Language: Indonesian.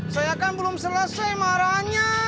saya kan belum selesai marahnya